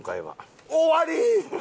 終わり！？